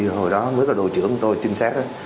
hồi đó mới là đội trưởng tôi chính xác